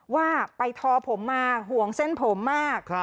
ว่าไปทอผมมาห่วงเส้นผมมาก